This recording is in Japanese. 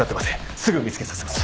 すぐ見つけさせます。